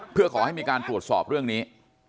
เพื่อขอให้มีการตรวจสอบเรื่องนี้